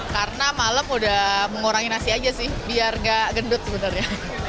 karena malam udah mengurangi nasi aja sih biar gak gendut sebenarnya